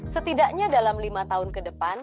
setidaknya dalam lima tahun ke depan